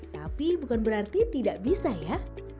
tapi bukan berarti tidak bisa ya